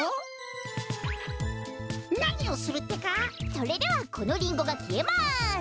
それではこのリンゴがきえます。